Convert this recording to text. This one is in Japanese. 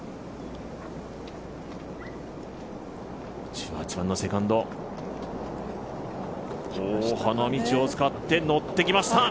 １８番のセカンド、花道を使って乗ってきました。